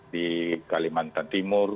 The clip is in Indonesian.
di kalimantan timur